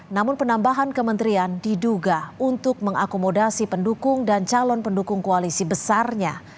namun penambahan kementerian diduga untuk mengakomodasi pendukung dan calon pendukung koalisi besarnya